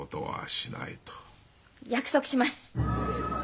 約束します！